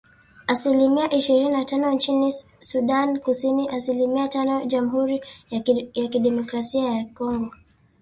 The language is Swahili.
Asilimia ishirini na tano nchini Sudan Kusini na asilimia tano Jamuhuri ya Kidemokrasia ya Kongo